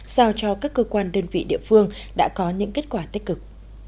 sao cho các cơ quan đơn vị địa phương đã có những kết quả tích cực